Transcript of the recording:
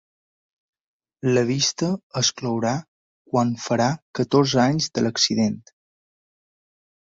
La vista es clourà quan farà catorze anys de l’accident.